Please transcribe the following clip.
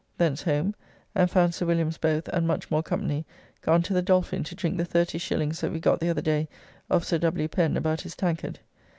Thence home, and found Sir Williams both and much more company gone to the Dolphin to drink the 30s. that we got the other day of Sir W. Pen about his tankard.